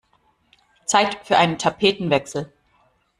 Zeit für einen Tapetenwechsel!